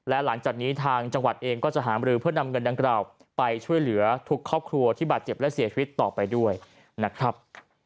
และหลังจากนี้ทางจังหวัดเองก็จะหามรือเพื่อนำเงินดังกล่าวไปช่วยเหลือทุกครอบครัวที่บาดเจ็บและเสียชีวิตต่อไปด้วยนะครับ